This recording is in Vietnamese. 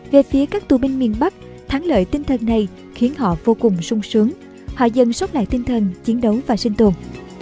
về phía các tù binh miền bắc thắng lợi tinh thần này khiến họ vô cùng sung sướng họ dần sốc lại tinh thần chiến đấu và sinh tồn